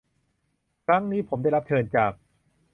ครั้งนี้ผมได้รับเชิญจาก